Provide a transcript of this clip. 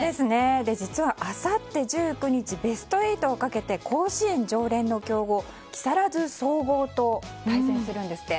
実は、あさって１９日ベスト８をかけて甲子園常連の強豪・木更津総合と対戦するんですって。